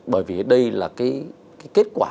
bởi vì đây là kết quả